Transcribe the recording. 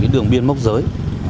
đường biên mốc giới